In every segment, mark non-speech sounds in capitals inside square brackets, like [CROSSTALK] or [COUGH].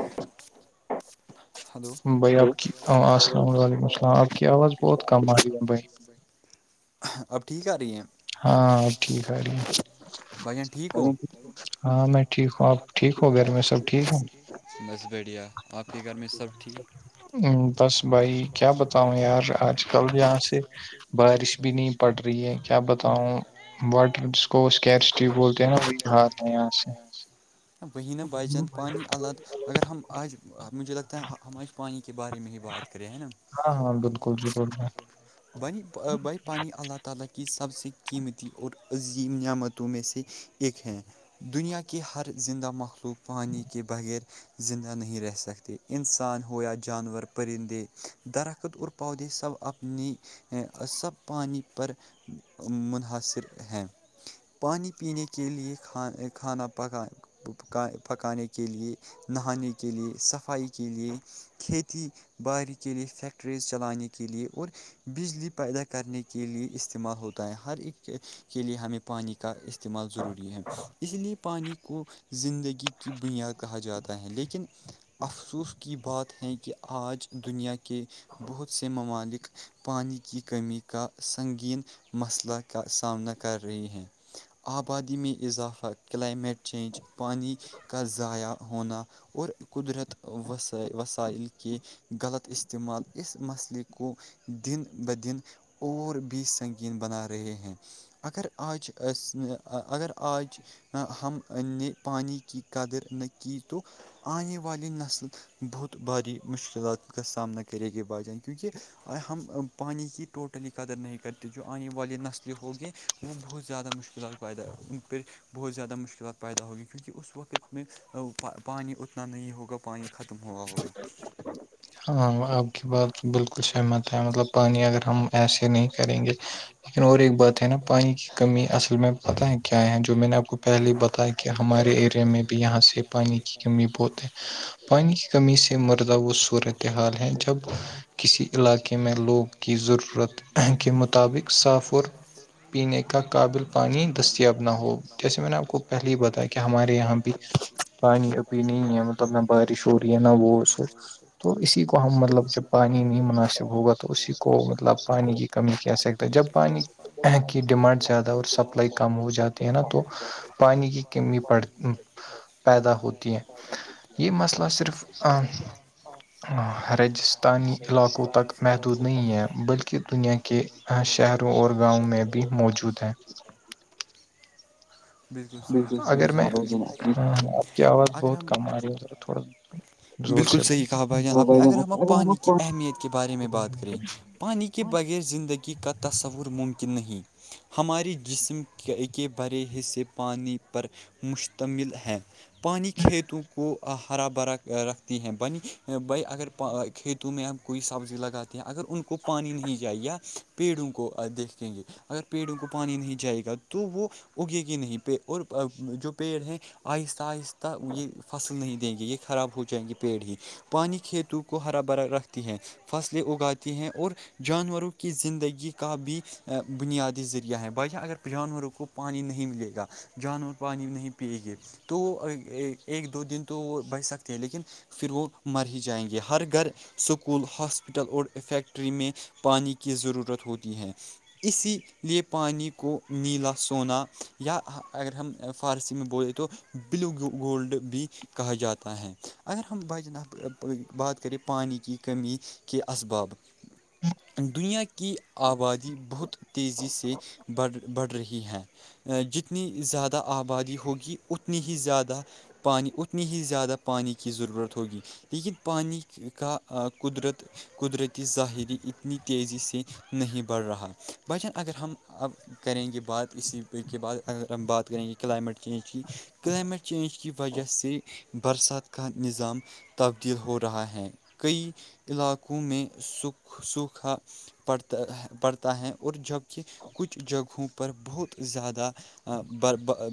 اچ [INAUDIBLE] بھائی آپ کی السلام علیکم السلام آپ کی آواز بہت کم آ رہی ہے بھائی اب ٹھیک آ رہی ہیں ہاں ٹھیک ہے جی ہاں میں ٹھیک ہوں آپ ٹھیک ہو گھر میں سب ٹھیک ہے بسبڑیا [UNINTELLIGIBLE] ہ بس بھائی کیا بتاؤں یار آج کل یہاں سے بارش بھی نہیں پڑ رہی ہے کیا بتاؤں واٹر اس کو اس کیپ بولتے ہیںراب نہیں یہاں سے [INAUDIBLE] وہ نہ بجن پانی الگ اگر ہم آج مجھے لگتا ہے ہم آج پانی کے بارے میں ہی بات کریں ہے نا ہاں ہاں بالکل بالکل [INAUDIBLE] بنی بائی پانی اللہ تعالی کی سب سے قیمتی اور عظیم نعمت تو میں سے ایک ہیں دنیا کے ہر زندہ مخلوق پانی کے بغیر زندہ نہیں رہ سکتے انسان ہو یا جانور پرندے درخت اور پودے سب اپنی ہیں سب پانی پر منحصر ہیں پانی پینے کے لیے کھا کھانا پکا پکانے کے لیے [INAUDIBLE] نہانے کے لیے صفائی کے لیے کھیتی باری کے لیے فیکٹریز چلانے کے لیے اور بجلی پیدا کرنے کے لیئے استعمال ہوتا ہے ہر ایک کے لیے ہمیں پانی کا استعمال ضروری ہے اس لیے پانی کو زندگی کی بنیاد کہا جاتا ہے لیکن افسوس کی بات ہے کہ آج دنیا کے بہت سے ممالک پانی کی کمی کا سنگین مسئلہ کا سامنا کر رہی ہیں آبادی میں اضافہ کلمیٹ چینج پانی کا ضائع ہونا اور قدرت وس وسائل کے غلط استعمال اس مسئلے کو دن بہ دن اور بھی سنگین بنا رہے ہیں اگر آج اگر آج ہم نے پانی کی قدر نہ کی تو آنے والی نسل بہت بھاری مشکلات کا سامنا کر ہے کرے کے با ج کیونکہ ہم پانی کی ٹوٹلی قدر نہیں کرتے جو آنے والے نسل ہوگی وہ بہت زیادہ مشکلات پیدا ان پ بہت زیادہ مشکلات پیدا ہوگی کیونکہ اس وقت میں پانی اتنا نہیں ہوگا پانی ختم ہوا ہوگا ہاں آپ کی بات بالکل سہمت ہے مطلب پانی اگر ہم ایسے نہیں کریں گے [UNINTELLIGIBLE] بات ہے نا پانی کی کمی اصل میں پتاہ ہے کیا ہے جو میں نے آپ کو پہلے ہی بتا ہے کہ ہمارے ایریا میں یہاں سے پانی کی کمی بہت ہے پانی کی کمی سے مردہ وہ صورت حال ہیں جب کسی علاقے میں لوگ کی ضرورت کے مطق مطابق صافر پینے کا قابل پانی دستیاب نہ ہو جیسے میں نے آپ کو پہلے ہی بتایا کہ ہمارے یہاں بھی پانی ابھی نہیں ہے مطلب نہ بارش ہو رہی ہے نہ وہ تو اسی کو ہم مطلب جب پانی نہیں مناسب ہوگا تو اسی کو مطلب پانی کی کمی کیا سکتا ہے جب پانی کی ڈیمانڈ زیادہ اور سپلائی کم ہو جاتی ہے نا تو پانی کی کمی پڑ پیدا ہوتی ہے یہ مسئلہ صرف رجستانی علاقوں تک محدود نہیں ہے بلکہ دنیا کے شہروں اور گاؤں میں بھی موجود ہیں اگر میں ہاں آپ کی آواز بہت کم آ رہی ہے ذرا تھوڑا س بالکل صحیح کہا بھائی جان آپ نے اگر ہم پانی کی اہمیت کے بارے میں بات کریں پانی کے بغیر زندگی کا تصور ممکن نہیں ہماریے جسم کے ایک بڑے صے پانی پر مشتمل ہے پانی کھیتوں کو ہرا بھرا رکھتی ہیں بنی بائی اگر کھیت تو میں ہم کوئی سبزی لگاتے ہیں اگر ان کو پانی نہیں جائے پیڑوں کو دیکھیں گے اگر پیڑوں کو پانی نہیں جائے گا تو وہ اگے گی نہیں اور جو پیڑ ہیں آہستہ آہستہ یہ فصل نہیں دیں گے یہ خراب ہو جائیں گے پیڑ ہی پانی کھیتوں کو ہرا بھرا رکھتی ہے فصلیں اگاتی ہیں اور جانوروں کی زندگی کا بھی بنیادی ذریعہ ہے بااں اگر جانوروں کو پانی نہیں ملے گا جانور پانی نہیں پیے گے تو وہ ایک دو دن تو وہ بچ سکتے ہیں لیکن پھر وہ مر ہی جائیں گے ہر گھر سکول ہاسپٹل اور فیکٹری میں پانی کی ضرورت ہوتی ہے اسی لیے پانی کو نیلا سونا یا اگر ہم فارسی میں بولے تو بلیو گولڈ بھی کہا جاتا ہے اگر ہم بج بات کریں پانی کی کمی کے اسباب دنیا کی آبادی بہت تیزی سے بڑھ رہی ہیں جتنی زیادہ آبادی ہوگی اتنی ہی زیادہ پانی اتنی ہی زیادہ پانی کی ضرورت ہوگی لیکن پانی کا قدرت قدرتی ظاہری اتنی تیزی سے نہیں بڑھ رہا بچن اگر ہم اب کریں گے بات اسی کے بعد اگر ہم بات کریں گے کلائمیٹ چینج کی کلائمیٹ چینج کی وجہ سے برسات کا نظام تبدیل ہو رہا ہے کئی علاقوں میں سکھ سوکھا پڑتا پڑتا ہے اور جبکہ کچھ جگہوں پر بہت زیادہ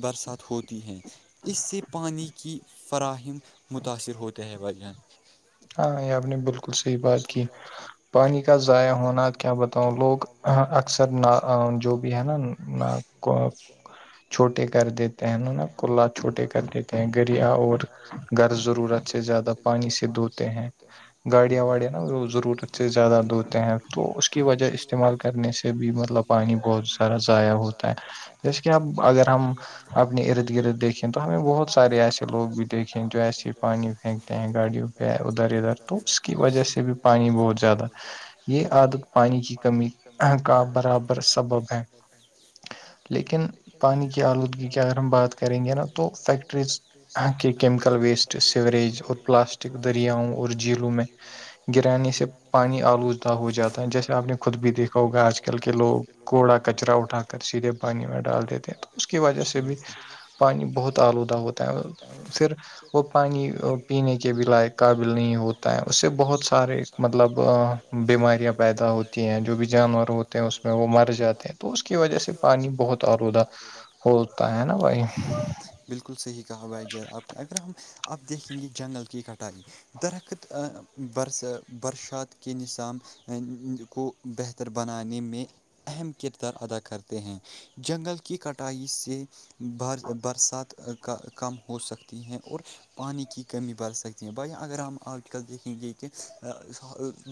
برسات ہوتی ہیں اس سے پانی کی فراہم متاثر ہوتا ہے بن ہاں آپ نے بالکل صحیح بات کی پانی کا ضائع ہونا کیا بتاؤں لوگ ہاں اکثر نہ جو بھی ہے نا چھوٹے کر دیتے ہیں نا کلا چھوٹے کر دیتے ہیں گریا اور گر ضرورت سے زیادہ پانی سے دودھ سے ڈتے ہیں گاڑیاں واڑیاں نا وہ ضرورت سے زیادہ دھوتے ہیں تو اس کی وجہ استعمال کرنے سے بھی مطلب پانی بہت سارا ج ہوتا ہے جیسے کہ اب اگر ہم اپنے ارد گرد دیکھیں تو ہمیں بہت سارے ایسے لوگ بھی دیکھیں جو ایس ہی پانی پھینکتے ہیں گاڑیوں ادھر ادھر تو اس کی وجہ سے بھی پانی بہت زیادہ یہ عادت پانی کی کمی کا برابر سبب ہے لیکن پانی کی آلودگی کی اگر ہم بات کریں گے نا تو فیکٹریز کے کیمیکل ویسٹ سیوریج اور پلاسٹ دریاؤں اور جھیلوں میں گرانے سے پانی آلووددہ ہو جاتا ہے جیسے آپ نے خود بھی دیکھا ہوگا آج کل کے لوگ کوڑا کچرا اٹھا سیدھے پانی میں ڈال دیتے ہیں تو اس کی وجہ سے بھی پانی بہت آلودہ ہوتا پھر وہ پانی پینے کے بھی لائق قابل نہیں ہوتا ہے اس سے بہت سارے مطلب بیماریاں پیدا ہوتی ہیں جو بھی جانور ہوتے ہیں اس میں وہ مر جاتے ہیں تو اس کے وجہ سے پانی بہت آرودہ ہوتا ہے نا بھائی بالکل صحیح کہا ہواائی ج آپ اگر ہم اب دیکھیں گے جنگل کی ککٹائی درخت برس برشات کےے نظاب کو بہتر بنانے میں اہم کردار ادا کر ہے کرتے ہیں جنگل کی کٹائی سے برسات کم ہو سکتی ہیں اور پانی کی کمی بڑھ سکتی بھائی اگر ہم آج کل دیکھیں گے کہ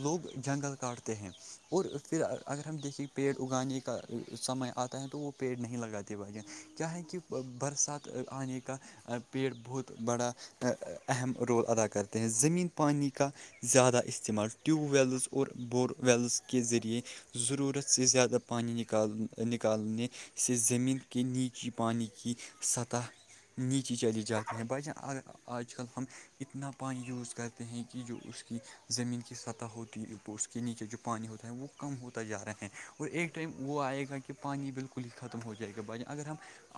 لوگ جنگل کاٹتے ہیں اور پھر اگر ہم دیکھیں پیڑ اگانے کا سمے آتا ہے تو وہ پیڑ نہیں لگاتے بھائی کیا ہے کہ برسات آنے کا پیڑ بہت بڑا اہم رول ادا کرتے ہیں زمین پانی کا زیادہ استعمال ٹیوب ویلز اور بور ویلز کے ذریعے ضرورت سے زیادہ پانی نک نکالنے سے زمین کے نیچی پانی کی سطح نیچے چلی جاتی ہیں بچہ ا آج کل ہم کتنا پانی یوز کرتے ہیں کہ جو اس کی زمین کی سطح ہوتی ہے اس کے نیچے جو پانی ہوتا ہے وہ کم ہوتا جا رہا ہے اور ایک ٹائم وہ آئے گا کہ پانی بالکل ہی ختم ہو جائے گا بع اگر ہم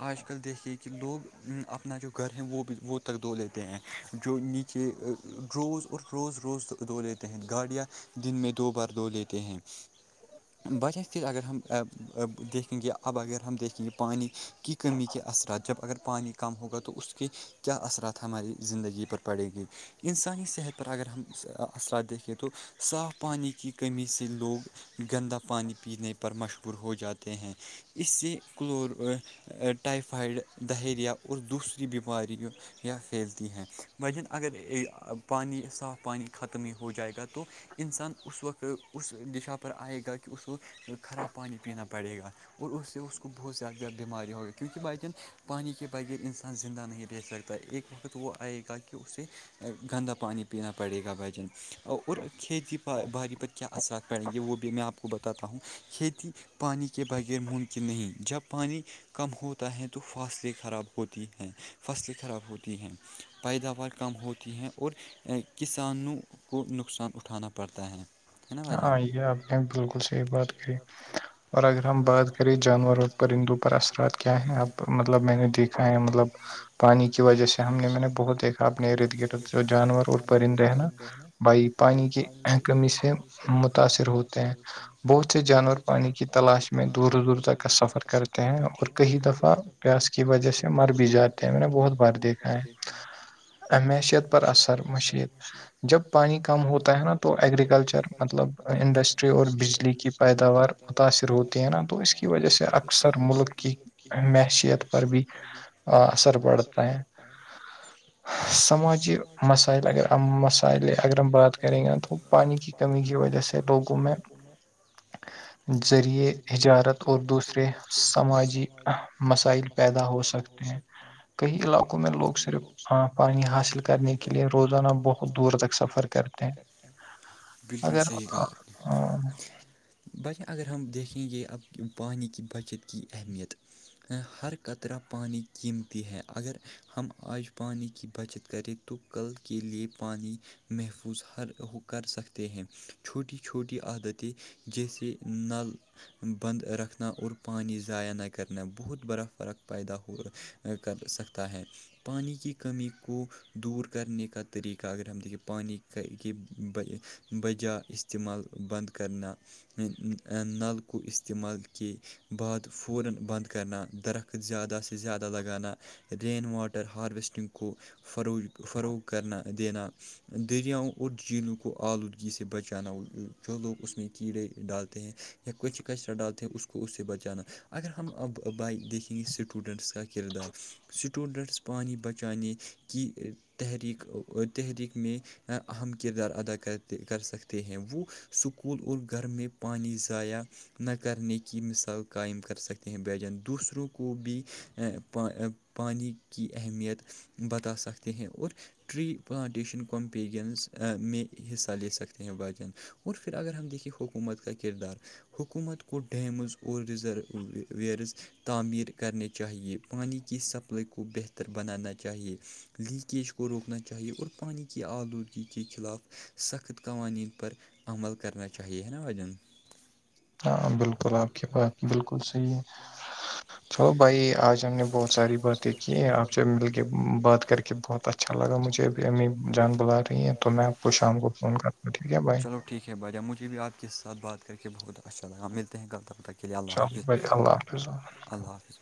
آج کل دیکھیے کہ لوگ اپنا جو گھر ہے وہ بھی وہ تک دھو لیتے ہیں جو نیچے روز اور روز روز دو لیتے ہیں گاڑیاں دن میں دو بار دو لیتے ہیں بچس تز اگر ہم دیکھیں گے اب اگر ہم دیکھیں گے پانی کی کمی کے اثرات جب اگر پانی کم ہوگا تو اس کے کیا اثرات ہماری زندگی پر پڑے گی انسانی صحت پر اگر ہم اثرات دیکھیں تو صاف پانی کی کمی سے لوگ گندا پانی پینے پر مشہور ہو جاتے ہیں اس سے کل ٹائفائڈ دہییرہ اور دوسری بیماریوں یا پھیلتی ہیں بجن اگر پانی صاف پانی ختم ہی ہو جائے گا تو انسان اس وقت اس دشا پر آئے گا کہ اس کو خراب پانی پینا پڑے گا اور اس سے اس کو بہت زیادہ زیاہ بیمارییاں ہو گئی کیونکہائی دن پانی کے بغیر انسان زندہ نہیں رہ سکتا ہوتا ایک وقت وہ آئے گا کہ اسے گندا پانی پینا پڑے گا بھجن اور کھیتی ب بااری پر کیا اثرات پڑیں گے وہ بھی میں آپ کو بتاتا ہوں کھیتی پانی کے بغیر ممکن نہیں جب پانی کم ہوتا ہے تو فاصلیں خراب ہوتی ہیں فاصلیں خراب ہوتی ہیں پیداوار کم ہوتی ہیں اور [UNINTELLIGIBLE] ہاں یہب بالکل صحیح بات کری اور اگر ہم بات کریں جانور اور پرندوں پر پر اثرات کیا ہے اب مطلب میں نے دیکھا ہے مطلب پانی کی وجہ سے ہم نے میں نے بہت دیکھا اپنے ررد گرد جو جانور اور پرندے نا بائی پانی کی کمی سے متاثر ہوتے ہیں بہت سے جانور پانی کی تلاش میں دور دور تک کا سفر کرتے اور کئی دفعہ پیاس کی وجہ سے مر بھی جاتے ہیںا بہت بات دیکھا ہے معیشیت پر اثر مشرت جب پانی کم ہوتا ہے نا تو ایگریکلچر مطلب انڈسٹری اور بجلی کی پیداوار متاثر ہوتی ہے نا تو اس کی وجہ سے اکثر ملک کی معیشیت پر بھی اثر پڑتا ہے سماج جی مسائل اگر ہم مسائل اگر ہم بات کریں گا تو پانی کی کمی کی وجہ سے لوگوں میں ذریعے تجارت اور دوسرے سماجی مسائل پیدا ہو سکتے کہ کئی علاقوں میں لوگ صرف ہاں پانی حاصل کرنے کے لئے روزانہ بہت دور تک سفر کرتے ہیں ہ بالکل صحیح ال اگر ہم دیکھیں گے اب پانی کی بچت کی اہمیت ہر قطرہ پانی قیمتی ہے اگر ہم آج پانی کی بچت کریں تو کل کے لیے پانی محفوظ ہر ہو کر سکتے ہیں چھوٹی چھوٹی عادتیں جیسے نل بند رکھنا اور پانی ضائع نہ کرنا بہت بڑا فرق پیدا ہو رہا کر سکتا ہے پانی کی کمی کو دور کرنے کا طریقہ اگر ہم دیکھیں پانی کے بجائے استعمال بند کرنا نل کو استعمال کے ا [UNINTELLIGIBLE] رین واٹر ہارویسٹنگ کو فرو فروغ کرنا دینا دریاؤں اور جھیلوں کو آلودگی سے بچانا جو لوگ اس میں کیڑے ڈالتے ہیں یا کچ کچرا ڈالتے ہیں اس کو اس سے بچانا اگر ہم اب بائک دیکھیں گے سٹو سٹوڈنٹس کا کردار سٹوڈنٹس پانی ہی بچانے کی تحریک تحریک میں اہم کردار ادا کرتے کر سکتے ہیں وہ سکول اور گھر میں پانی ضاائع نہ کرنے کی مثال قائم کر سکتے ہیں ب جان دوسروں کو بھی پانی کی اہمیت بتا سکتے ہیں اور ٹری پلانٹیشن کمپیگینز میں حصہ لے سکتے ہیں باین اور پھر اگر ہم دیکھیں حکومت کا کردار حکومت کو ڈیمز اور ریزرویرز تعمیر کرنے چاہیئے پانی کی سپلائی کو بہتر بنانا چاہیے لیکیج کو روکنا چاہیے اور پانی کی آلودگی کے خلاف سخت قوانین پر عمل کرنا چاہیے نا اجن ہاں بالکل آپ کی بات بالکل صحیح ہے چلو بھائی آج ہم نے بہت ساری باتیں کی ہیں آپ سے مل کے بات کر کے بہت اچھا اچھا لگا مجھے اب امی جان بلا رہی ہیں تو میں آپ کو شام کو فون کرتا ہوں ٹھیک ہے بھائی ٹھیک ہے بھائییا مجھے بھی آپ کے سات کر کے بہت اچھا لا ملتے ہیں لطب تک چلیے اللہ حافظ اللہ حافظ